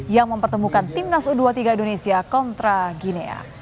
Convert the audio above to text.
yang mempertemukan timnas u dua puluh tiga indonesia kontra ginia